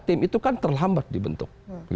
tim itu kan terlambat dibentuk